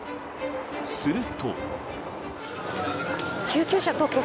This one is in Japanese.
すると。